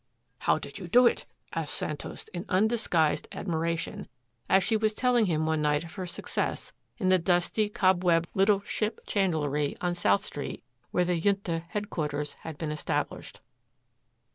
"How did you do it?" asked Santos in undisguised admiration, as she was telling him one night of her success, in the dusty, cobwebbed little ship chandlery on South Street where the Junta headquarters had been established.